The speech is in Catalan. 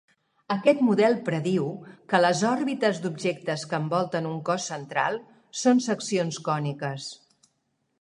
Aquest model prediu que les òrbites d'objectes que envolten un cos central són seccions còniques.